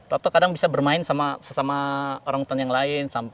atau kadang bisa bermain sama orang utan yang lain